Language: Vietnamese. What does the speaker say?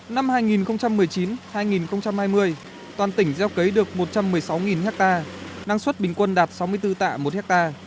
năm hai nghìn một mươi chín hai nghìn hai mươi toàn tỉnh gieo cấy được một trăm một mươi sáu ha năng suất bình quân đạt sáu mươi bốn tạ một ha